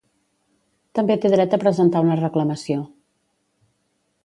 També té dret a presentar una reclamació